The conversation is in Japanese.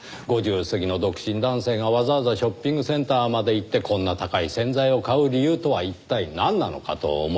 ５０過ぎの独身男性がわざわざショッピングセンターまで行ってこんな高い洗剤を買う理由とは一体なんなのかと思いましてね。